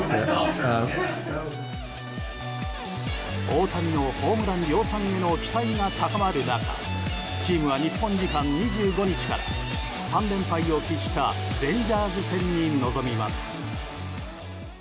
大谷のホームラン量産への期待が高まる中チームは日本時間２５日から３連敗を喫したレンジャーズ戦に臨みます。